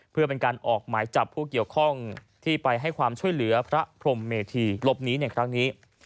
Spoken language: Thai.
เพื่อเป็นการออกหมายจับผู้เกี่ยวข้องที่ไปให้ความช่วยเหลือพระพรมเมธีหลบหนีในครั้งนี้